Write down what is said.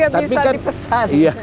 gak bisa dipesan